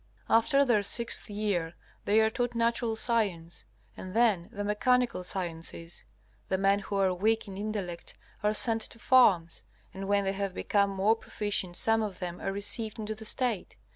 After their sixth year they are taught natural science, and then the mechanical sciences. The men who are weak in intellect are sent to farms, and when they have become more proficient some of them are received into the State.